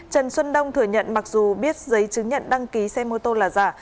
trần xuân đông thừa nhận mặc dù biết giấy chứng nhận đăng ký xe mô tô là giả